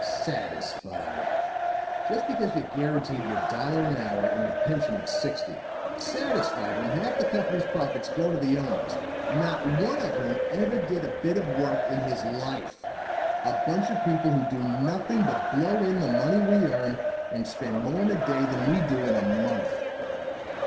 "Satisfied! Just because you're guaranteed your dollar an hour, and your pension at sixty! Satisfied, when half the company's profits go to the owners, not one of whom ever did a bit of work in his life! A bunch of people who do nothing but blow in the money we earn, and spend more in a day than we do in a month!"